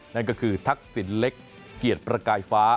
นั่นก็คือทักษิณเล็กเกียรติประกายฟ้า